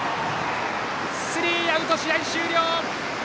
スリーアウト、試合終了。